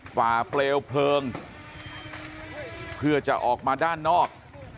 ฝ่าเปลวเพลิงเพื่อจะออกมาด้านนอก